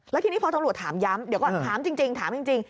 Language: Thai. แล้วทีนี้พอตำรวจถามย้ำเดี๋ยวก่อนถามจริงถามจริง